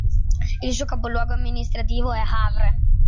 Il suo capoluogo amministrativo è Havre.